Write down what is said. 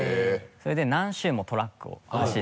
それで何周もトラックを走って。